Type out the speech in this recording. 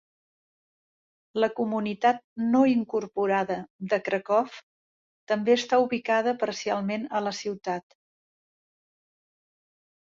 La comunitat no incorporada de Krakow també està ubicada parcialment a la ciutat.